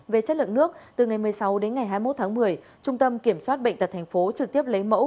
về chất lượng nước từ ngày một mươi sáu đến ngày hai mươi một tháng một mươi trung tâm kiểm soát bệnh tật thành phố trực tiếp lấy mẫu